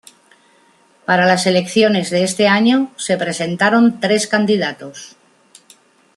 Para las elecciones de ese año, se presentaron tres candidatos.